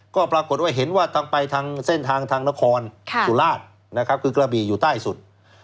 ก็ปรากฏว่าเห็นว่าไปทางเส้นทางทางนครสุราชนะครับคือกระบี่อยู่ใต้สุด